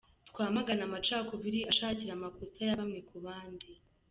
Twamagane amacakubiri ashakira amakosa ya bamwe ku bandi.